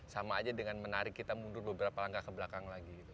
sama aja dengan menarik kita mundur beberapa langkah ke belakang lagi gitu